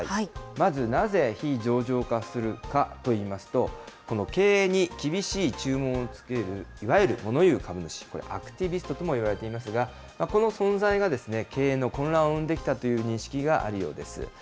まず、なぜ非上場化するかといいますと、この経営に厳しい注文をつける、いわゆるもの言う株主、これ、アクティビストともいわれていますが、この存在が経営の混乱を生んできたという認識があるようです。